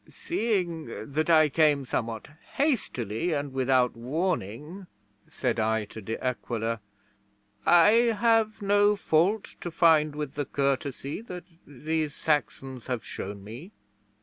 '"Seeing that I came somewhat hastily and without warning," said I to De Aquila, "I have no fault to find with the courtesy that these Saxons have shown me."